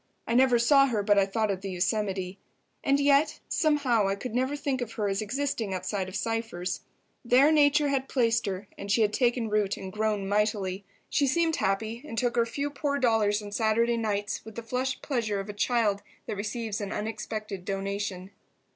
I never saw her but I thought of the Yosemite. And yet, somehow, I could never think of her as existing outside of Cypher's. There nature had placed her, and she had taken root and grown mightily. She seemed happy, and took her few poor dollars on Saturday nights with the flushed pleasure of a child that receives an unexpected donation.